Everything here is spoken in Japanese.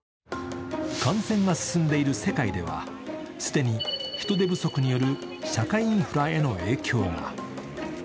感染が進んでいる世界では、既に人手不足による社会インフラへの影響が。